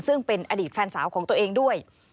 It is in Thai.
ซึ่งเป็นอดีตแฟนสาวของตัวเองด้วย